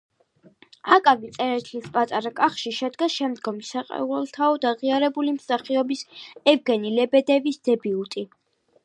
აკაკი წერეთლის „პატარა კახში“ შედგა შემდგომში საყოველთაოდ აღიარებული მსახიობის ევგენი ლებედევის დებიუტი.